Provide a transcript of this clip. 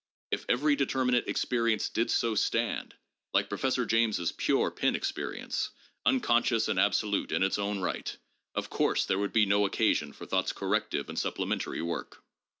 If every determinate experience did so stand, like Professor James's 'pure' pen experience, unconscious and absolute in its own right, of course there would be no occasion for thought's corrective and supplementary work.